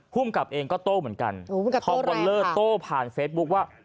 ภูมิกับเองก็โต้เหมือนกันพอบอลเลอร์โต้ผ่านเฟซบุ๊คว่า